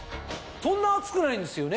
そんな厚くないんですよね？